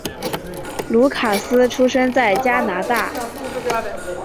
卢卡斯出生在加拿大。